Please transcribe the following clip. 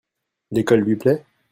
L'école lui plait ?